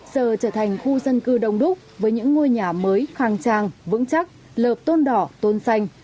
giờ trở thành khu dân cư đông đúc với những ngôi nhà mới khang trang vững chắc lợp tôn đỏ tôn xanh